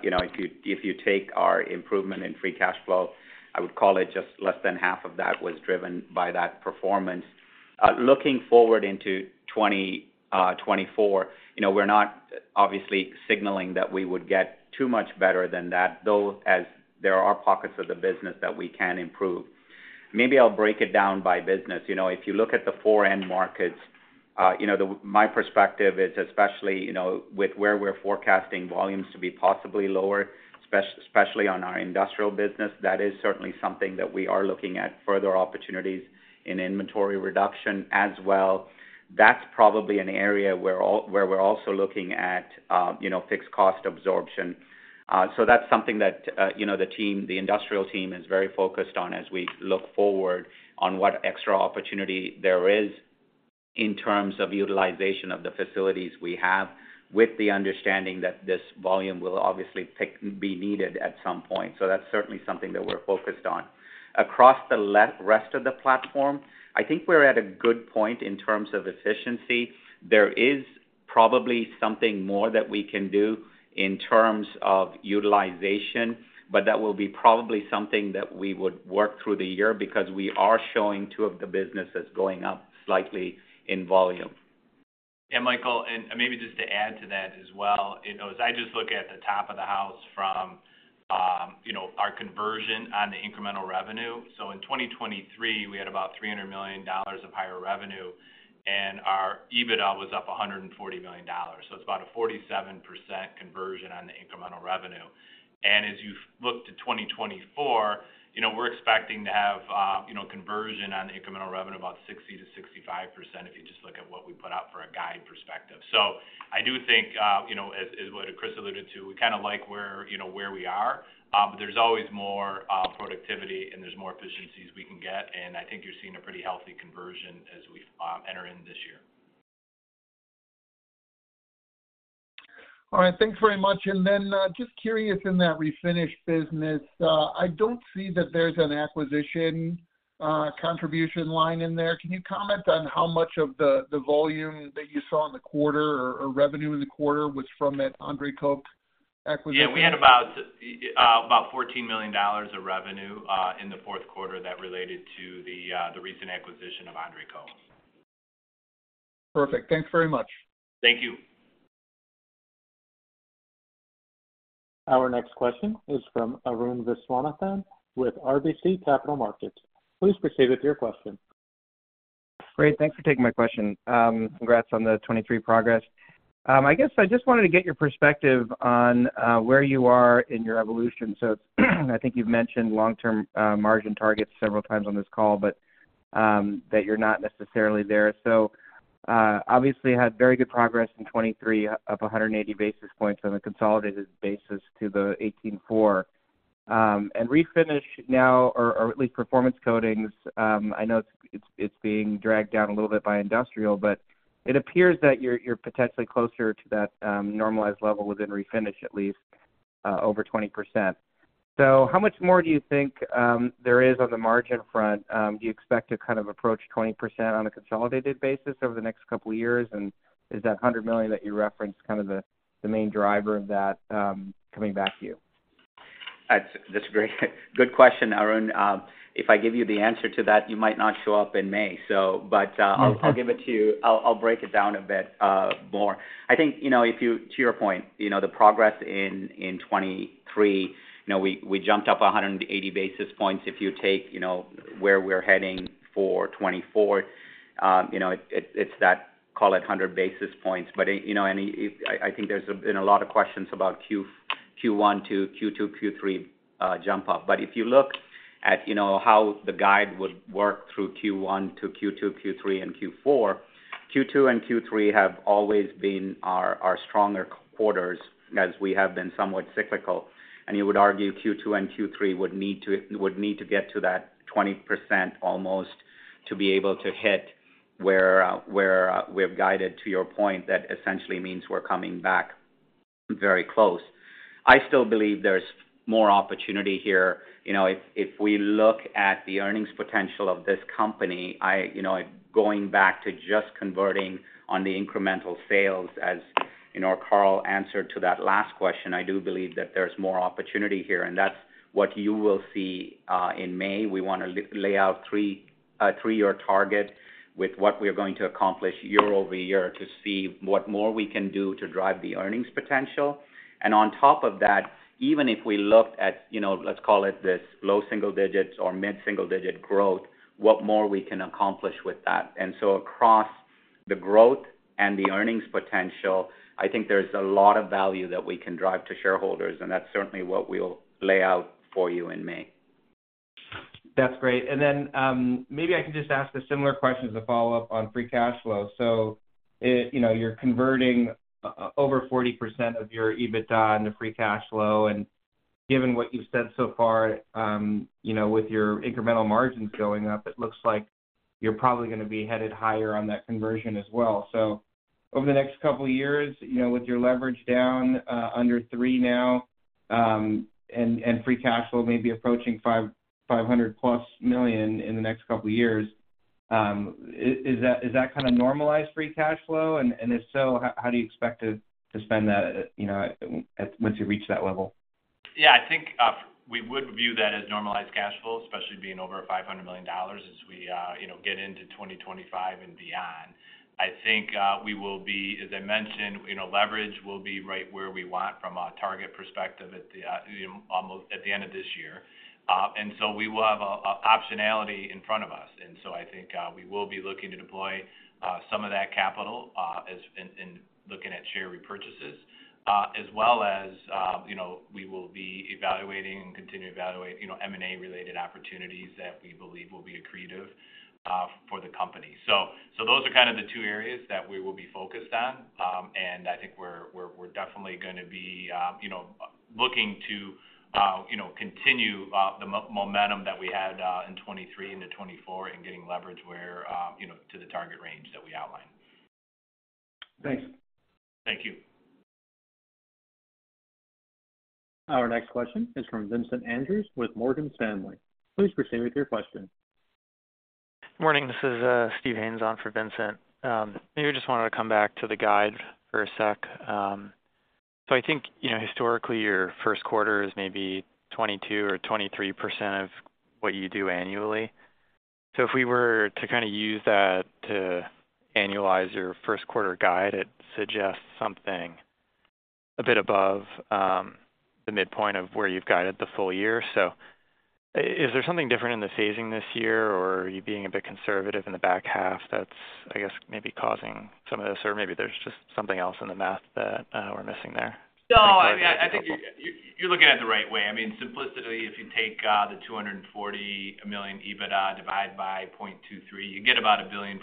You know, if you take our improvement in free cash flow I would call it just less than half of that was driven by that performance. Looking forward into 2024, you know, we're not obviously signaling that we would get too much better than that, though, as there are pockets of the business that we can improve. Maybe I'll break it down by business. You know, if you look at the four end markets, you know, my perspective is especially, you know, with where we're forecasting volumes to be possibly lower, especially on our Industrial business, that is certainly something that we are looking at, further opportunities in inventory reduction as well. That's probably an area where we're also looking at, you know, fixed cost absorption. So that's something that, you know, the team, the Industrial team is very focused on as we look forward on what extra opportunity there is in terms of utilization of the facilities we have, with the understanding that this volume will obviously be needed at some point. So that's certainly something that we're focused on. Across the rest of the platform, I think we're at a good point in terms of efficiency. There is probably something more that we can do in terms of utilization, but that will be probably something that we would work through the year because we are showing two of the businesses going up slightly in volume. Yeah, Michael, and maybe just to add to that as well, you know, as I just look at the top of the house from, you know, our conversion on the incremental revenue. So in 2023, we had about $300 million of higher revenue, and our EBITDA was up $140 million. So it's about a 47% conversion on the incremental revenue. And as you look to 2024, you know, we're expecting to have, you know, conversion on the incremental revenue about 60%-65%, if you just look at what we put out for a guide perspective. So I do think, you know, as what Chris alluded to, we kind of like where, you know, where we are, but there's always more productivity and there's more efficiencies we can get, and I think you're seeing a pretty healthy conversion as we enter in this year. All right, thanks very much. And then, just curious, in that Refinish business, I don't see that there's an acquisition contribution line in there. Can you comment on how much of the volume that you saw in the quarter or revenue in the quarter was from that André Koch acquisition? Yeah, we had about $14 million of revenue in the fourth quarter that related to the recent acquisition of André Koch. Perfect. Thanks very much. Thank you. Our next question is from Arun Viswanathan with RBC Capital Markets. Please proceed with your question. Great, thanks for taking my question. Congrats on the 2023 progress. I guess I just wanted to get your perspective on where you are in your evolution. So I think you've mentioned long-term margin targets several times on this call, but that you're not necessarily there. So obviously had very good progress in 2023 up 100 basis points on a consolidated basis to the 18.4. And Refinish now, or at least Performance Coatings, I know it's being dragged down a little bit by Industrial, but it appears that you're potentially closer to that normalized level within Refinish, at least over 20%. So how much more do you think there is on the margin front? Do you expect to kind of approach 20% on a consolidated basis over the next couple of years? And is that $100 million that you referenced, kind of the, the main driver of that, coming back to you? That's, that's great. Good question, Arun. If I give you the answer to that, you might not show up in May, so, but I'll give it to you. I'll break it down a bit more. I think, you know, if you, to your point, you know, the progress in 2023, you know, we jumped up 100 basis points. If you take, you know, where we're heading for 2024, you know, it's that, call it 100 basis points. But, you know, I think there's been a lot of questions about Q1 to Q2, Q3 jump up. But if you look at, you know, how the guide would work through Q1 to Q2, Q3, and Q4, Q2 and Q3 have always been our stronger quarters as we have been somewhat cyclical. You would argue Q2 and Q3 would need to get to that 20% almost, to be able to hit where we've guided, to your point, that essentially means we're coming back very close. I still believe there's more opportunity here. You know, if we look at the earnings potential of this company, I you know, going back to just converting on the incremental sales, as you know, Carl answered to that last question, I do believe that there's more opportunity here, and that's what you will see in May. We want to lay out three-year target with what we are going to accomplish year-over-year, to see what more we can do to drive the earnings potential. And on top of that, even if we looked at, you know, let's call it this, low single-digits or mid single-digit growth, what more we can accomplish with that. And so across the growth and the earnings potential, I think there's a lot of value that we can drive to shareholders, and that's certainly what we'll lay out for you in May. That's great. Then, maybe I can just ask a similar question as a follow-up on free cash flow. So it—you know, you're converting over 40% of your EBITDA into free cash flow, and given what you've said so far, you know, with your incremental margins going up, it looks like you're probably gonna be headed higher on that conversion as well. So over the next couple of years, you know, with your leverage down under three now, and free cash flow may be approaching $500 million+ in the next couple of years, is that kind of normalized free cash flow? And if so, how do you expect to spend that, you know, once you reach that level? Yeah, I think we would view that as normalized cash flow, especially being over $500 million as we, you know, get into 2025 and beyond. I think we will be, as I mentioned, you know, leverage will be right where we want from a target perspective at the, almost at the end of this year. And so we will have optionality in front of us. And so I think we will be looking to deploy some of that capital, as in, in looking at share repurchases, as well as, you know, we will be evaluating and continue to evaluate, you know, M&A-related opportunities that we believe will be accretive for the company. So, so those are kind of the two areas that we will be focused on. And I think we're definitely gonna be, you know, looking to, you know, continue the momentum that we had in 2023 into 2024, and getting leverage where, you know, to the target range that we outlined. Thanks. Thank you. Our next question is from Vincent Andrews with Morgan Stanley. Please proceed with your question. Morning, this is Steve Haynes on for Vincent. Maybe I just wanted to come back to the guide for a sec. So I think, you know, historically, your first quarter is maybe 22% or 23% of what you do annually. So if we were to kind of use that to annualize your first quarter guide, it suggests something a bit above the midpoint of where you've guided the full year. So is there something different in the phasing this year, or are you being a bit conservative in the back half that's, I guess, maybe causing some of this? Or maybe there's just something else in the math that we're missing there? No, I think you're looking at it the right way. I mean, simplistically, if you take the $240 million EBITDA divide by 0.23, you get about $1.043 billion,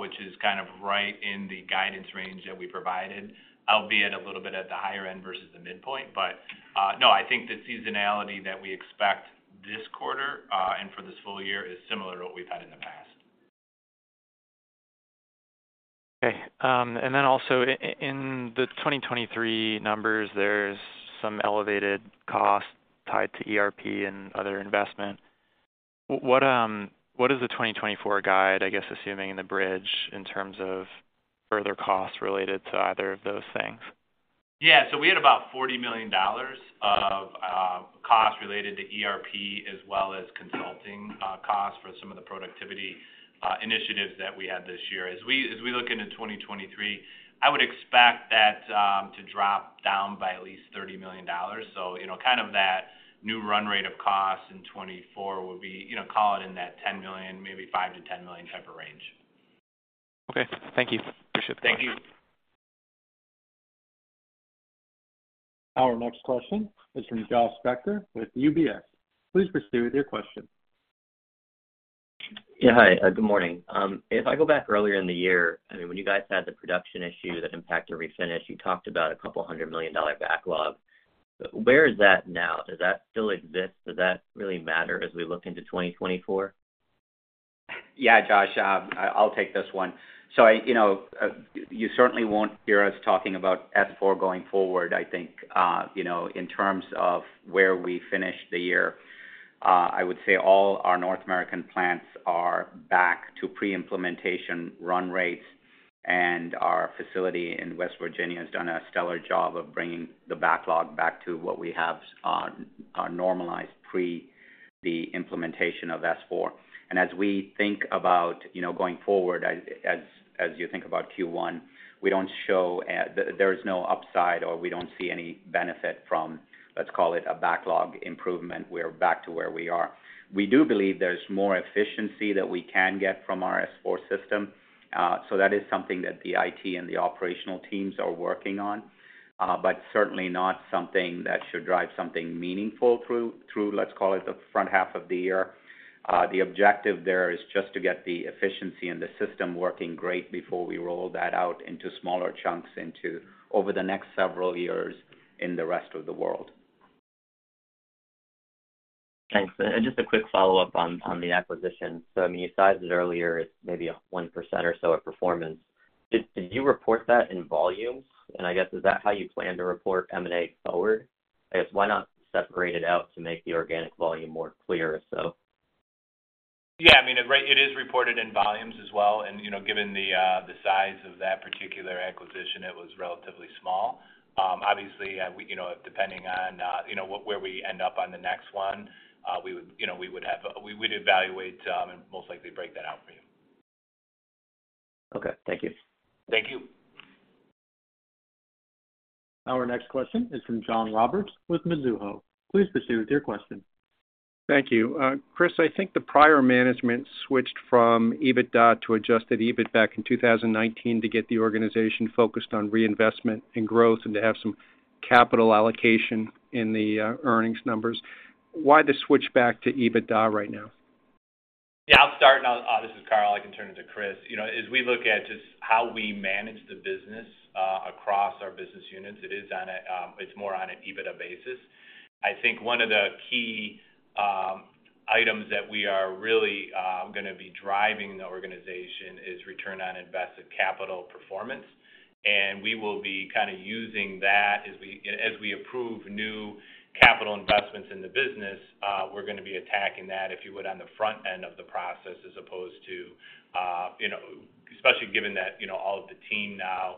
which is kind of right in the guidance range that we provided, albeit a little bit at the higher end versus the midpoint. But no, I think the seasonality that we expect this quarter and for this full year is similar to what we've had in the past. Okay, and then also in the 2023 numbers, there's some elevated costs tied to ERP and other investment. What is the 2024 guide, I guess, in the bridge, in terms of further costs related to either of those things? Yeah. So we had about $40 million of costs related to ERP, as well as consulting costs for some of the productivity initiatives that we had this year. As we look into 2023, I would expect that to drop down by at least $30 million. So, you know, kind of that new run rate of costs in 2024 would be, you know, call it in that $10 million, maybe $5 million-$10 million type of range. Okay. Thank you. Appreciate. Thank you. Our next question is from Josh Spector with UBS. Please proceed with your question. Yeah, hi, good morning. If I go back earlier in the year, I mean, when you guys had the production issue that impacted Refinish, you talked about a $200 million backlog. Where is that now? Does that still exist? Does that really matter as we look into 2024? Yeah, Josh, I'll take this one. So I... You know, you certainly won't hear us talking about S/4 going forward, I think. You know, in terms of where we finished the year, I would say all our North American plants are back to pre-implementation run rates, and our facility in West Virginia has done a stellar job of bringing the backlog back to what we have, normalized pre the implementation of S/4. And as we think about, you know, going forward, as you think about Q1, we don't show, there is no upside, or we don't see any benefit from, let's call it, a backlog improvement. We're back to where we are. We do believe there's more efficiency that we can get from our S/4 system, so that is something that the IT and the operational teams are working on, but certainly not something that should drive something meaningful through, through, let's call it, the front half of the year. The objective there is just to get the efficiency and the system working great before we roll that out into smaller chunks into over the next several years in the rest of the world. Thanks. Just a quick follow-up on the acquisition. So, I mean, you sized it earlier as maybe a 1% or so of performance. Did you report that in volumes? And I guess, is that how you plan to report M&A forward? I guess, why not separate it out to make the organic volume more clear, so? Yeah, I mean, it is reported in volumes as well, and, you know, given the size of that particular acquisition, it was relatively small. Obviously, we, you know, depending on, you know, where we end up on the next one, we would, you know, we would have we would evaluate, and most likely break that out for you. Okay. Thank you. Thank you. Our next question is from John Roberts with Mizuho. Please proceed with your question. Thank you. Chris, I think the prior management switched from EBITDA to adjusted EBIT back in 2019 to get the organization focused on reinvestment and growth and to have some capital allocation in the earnings numbers. Why the switch back to EBITDA right now? Yeah, I'll start, and I'll this is Carl, I can turn it to Chris. You know, as we look at just how we manage the business, across our business units, it is on a, it's more on an EBITDA basis. I think one of the key items that we are really gonna be driving the organization is return on invested capital performance, and we will be kind of using that as we, as we approve new capital investments in the business, we're gonna be attacking that, if you would, on the front end of the process, as opposed to, you know. Especially given that, you know, all of the team now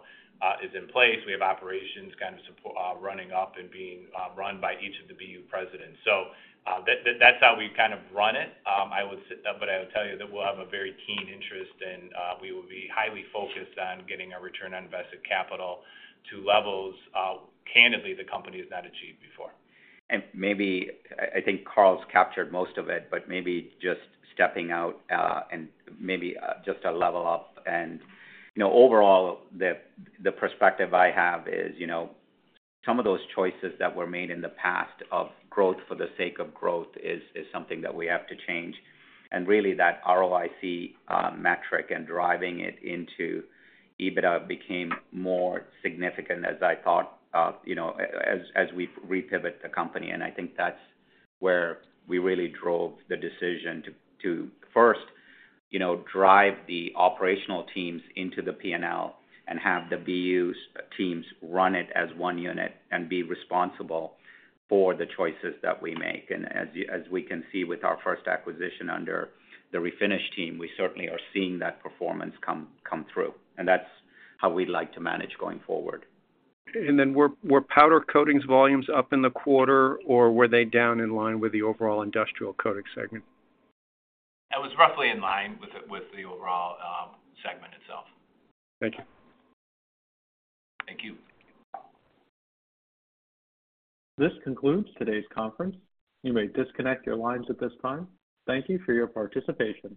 is in place. We have operations kind of running up and being run by each of the BU presidents. So, that, that's how we kind of run it. I would but I would tell you that we'll have a very keen interest and we will be highly focused on getting a return on invested capital to levels, candidly, the company has not achieved before. And maybe, I think Carl's captured most of it, but maybe just stepping out, and maybe just to level up and, you know, overall, the perspective I have is, you know, some of those choices that were made in the past of growth for the sake of growth is something that we have to change. And really, that ROIC metric and driving it into EBITDA became more significant as I thought, you know, as we repivot the company. And I think that's where we really drove the decision to first, you know, drive the operational teams into the P&L and have the BU's teams run it as one unit and be responsible for the choices that we make. And as we can see with our first acquisition under the Refinish team, we certainly are seeing that performance come through, and that's how we'd like to manage going forward. And then were powder coatings volumes up in the quarter, or were they down in line with the overall Industrial coatings segment? It was roughly in line with the overall segment itself. Thank you. Thank you. This concludes today's conference. You may disconnect your lines at this time. Thank you for your participation.